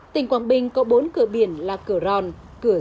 tỉnh quảng bình có bốn cửa biển là cửa ròn cửa danh cửa lý hòa và cửa nhật lệ